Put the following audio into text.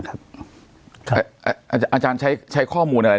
อาจารย์ใช้ข้อมูลอะไร